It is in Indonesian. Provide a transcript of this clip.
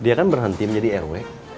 dia kan berhenti menjadi airway